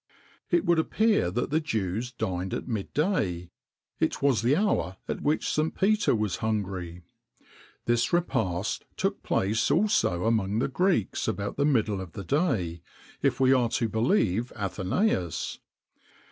It would appear that the Jews dined at mid day;[XXIX 41] it was the hour at which St. Peter was hungry.[XXIX 42] This repast took place also among the Greeks about the middle of the day,[XXIX 43] if we are to believe Athenæus.